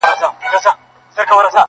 که غوایی دي که وزې پکښی ایله دي -